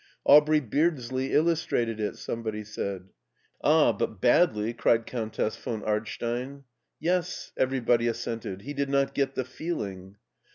Aubrey Beardsley illustrated it," somebody said. Ah, but badly !" cried Countess von Ardstein, Yes," everybody assented, "he did not get the feeling."